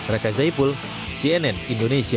raka zaypul cnn indonesia